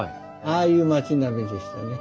ああいう街並みでしたね。